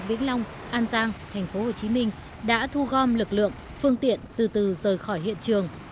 vĩnh long an giang tp hcm đã thu gom lực lượng phương tiện từ từ rời khỏi hiện trường